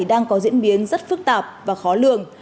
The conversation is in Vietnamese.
đang có diễn biến rất phức tạp và khó lường